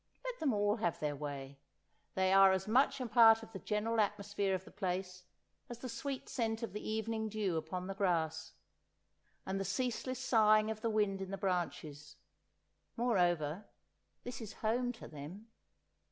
Let them all have their way, they are as much a part of the general atmosphere of the place as the sweet scent of the evening dew upon the grass, and the ceaseless soughing of the wind in the branches; moreover, this is home to them.